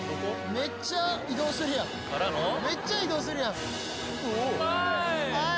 めっちゃ移動するやんうおっ